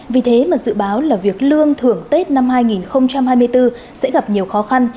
vì thế mà dự báo là việc lương thưởng tết năm hai nghìn hai mươi bốn sẽ gặp nhiều khó khăn